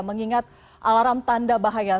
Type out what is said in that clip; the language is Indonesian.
mengingat alarm tanda bahaya